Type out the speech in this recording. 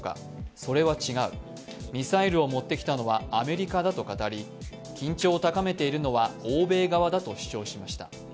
それは違う、ミサイルを持ってきたのはアメリカだと語り緊張を高めているのは欧米側だと主張しました。